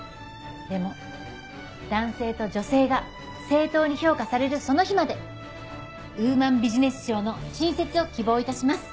でも男性と女性が正当に評価されるその日までウーマンビジネス賞の新設を希望いたします。